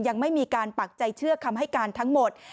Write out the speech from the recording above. ยังไม่มีการปักใจเชื่อคำให้การทั้งหมด